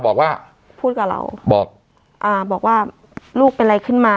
บอกว่าพูดกับเราบอกอ่าบอกว่าลูกเป็นอะไรขึ้นมา